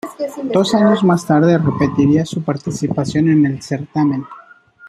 Dos años más tarde repetiría su participación en el certamen.